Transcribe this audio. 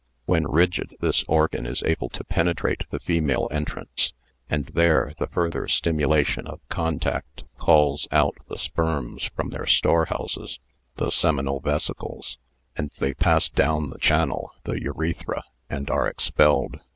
When rigid this organ is able to penetrate the female entrance, and there the further stimulation of contact calls out the sperms from their storehouses, the seminal vesicles, and they pass down the channel (the urethra) and are expelled.